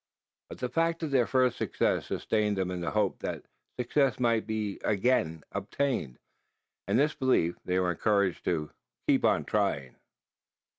But the fact of their first success sustained them in the hope that success might again be obtained; and, in this belief, they were encouraged to "keep on trying."